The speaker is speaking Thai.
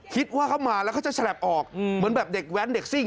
คิดว่าเขามาแล้วเขาจะฉลับออกเหมือนแบบเด็กแว้นเด็กซิ่ง